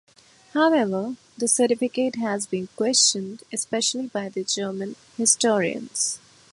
However, the certificate has been questioned, especially by German historians.